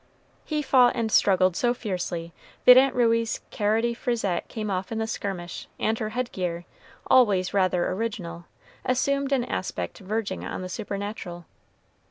He fought and struggled so fiercely that Aunt Ruey's carroty frisette came off in the skirmish, and her head gear, always rather original, assumed an aspect verging on the supernatural.